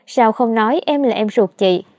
sao không nói em là em ruột chị